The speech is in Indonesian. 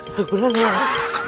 tunggu dulu ya